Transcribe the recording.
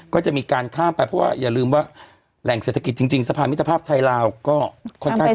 ก็จะมีการข้ามไปเพราะว่าอย่าลืมว่าแหล่งเศรษฐกิจจริงสะพานมิตรภาพไทยลาวก็ค่อนข้างจะ